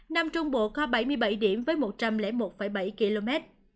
nam trung bộ có bảy mươi bảy điểm với một trăm linh một bảy km